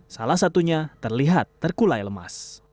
salah satunya terlihat terkulai lemas